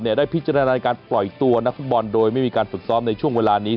ได้พิจารณาในการปล่อยตัวนักฟุตบอลโดยไม่มีการฝึกซ้อมในช่วงเวลานี้